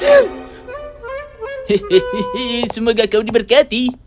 hehehe semoga kau diberkati